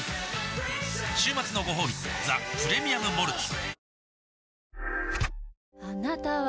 週末のごほうび「ザ・プレミアム・モルツ」おおーー